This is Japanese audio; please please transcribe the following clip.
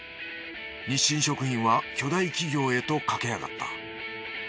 日清食品は巨大企業へと駆け上がった